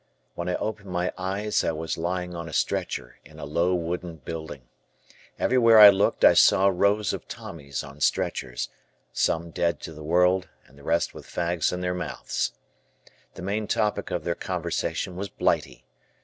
When I opened my eyes I was lying on a stretcher, in a low wooden building. Everywhere I looked I saw rows of Tommies on stretchers, some dead to the world, and the rest with fags in their mouths. The main topic of their conversation was Blighty.